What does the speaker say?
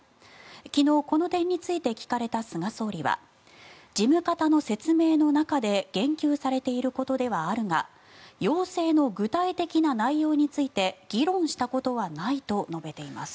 昨日、この点について聞かれた菅総理は事務方の説明の中で言及されていることではあるが要請の具体的な内容について議論したことはないと述べています。